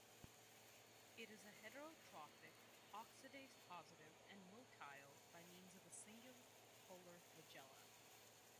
It is heterotrophic, oxidase-positive, and motile by means of a single polar flagella.